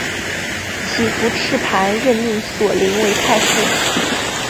乞伏炽磐任命索棱为太傅。